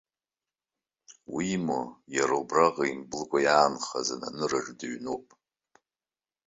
Уимоу, иара убраҟа имблыкәа иаанхаз ананыраҿы дыҩноуп.